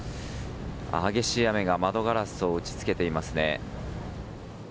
激しい雨が窓ガラスを打ち付けていますね。